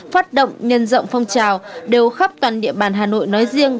phát động nhân rộng phong trào đều khắp toàn địa bàn hà nội nói riêng